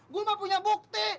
gue mah punya bukti